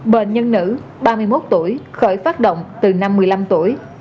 bệnh nhân nữ ba mươi một tuổi khởi phát động từ năm một mươi năm tuổi